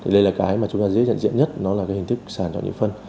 đây là cái mà chúng ta dễ dàng diễn nhất nó là cái hình thức sản chọn những phân